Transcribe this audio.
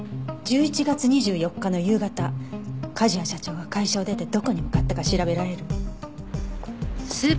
１１月２４日の夕方梶谷社長が会社を出てどこに向かったか調べられる？